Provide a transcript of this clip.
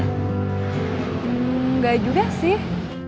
hmm gak juga sih